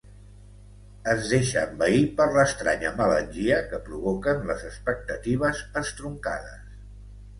Es deixa envair per l'estranya melangia que provoquen les expectatives estroncades.